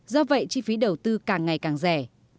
do vậy chi phí đầu tư càng ngày càng rẻ